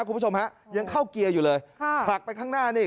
คุณผู้ชมฮะยังเข้าเกียร์อยู่เลยค่ะผลักไปข้างหน้านี่